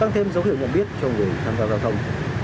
tăng thêm dấu hiệu nhận biết cho người tham gia giao thông